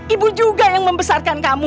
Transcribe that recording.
ibu juga yang membesarkan kamu